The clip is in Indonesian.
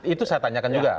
itu saya tanyakan juga